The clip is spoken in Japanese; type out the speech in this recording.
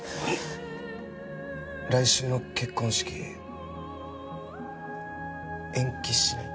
来週の結婚式延期しない？